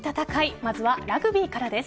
まずはラグビーからです。